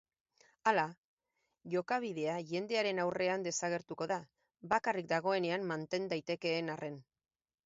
Hala, jokabidea jendaurrean desagertuko da, bakarrik dagoenean manten daitekeen arren.